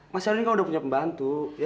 mas erwin kan udah punya pembantu ya